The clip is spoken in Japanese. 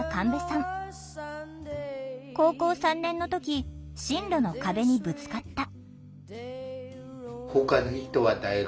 高校３年の時進路の壁にぶつかった。